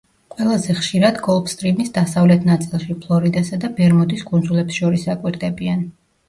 ყველაზე ხშირად გოლფსტრიმის დასავლეთ ნაწილში, ფლორიდასა და ბერმუდის კუნძულებს შორის აკვირდებიან.